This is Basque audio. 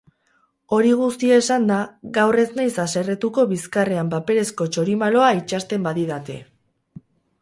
Hori guztia esanda, gaur ez naiz haserretuko bizkarrean paperezko txorimaloa itsasten badidate.